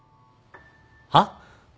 はっ？